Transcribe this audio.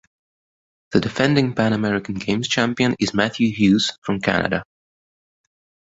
The defending Pan American Games champion is Matthew Hughes from Canada.